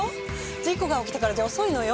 事故が起きてからじゃ遅いのよ。